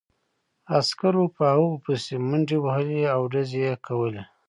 عسکرو په هغوی پسې منډې وهلې او ډزې یې کولې